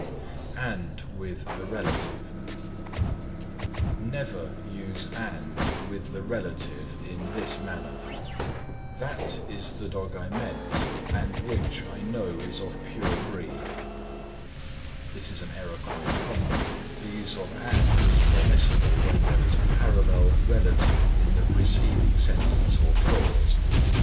AND WITH THE RELATIVE Never use and with the relative in this manner: "That is the dog I meant and which I know is of pure breed." This is an error quite common. The use of and is permissible when there is a parallel relative in the preceding sentence or clause.